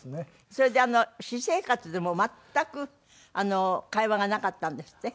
それで私生活でも全く会話がなかったんですって？